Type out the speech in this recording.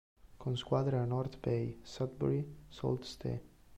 Con squadre a North Bay, Sudbury, Sault Ste.